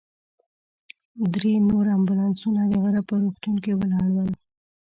درې نور امبولانسونه د غره په روغتون کې ولاړ ول.